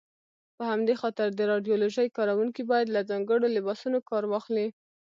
په همدې خاطر د راډیالوژۍ کاروونکي باید له ځانګړو لباسونو کار واخلي.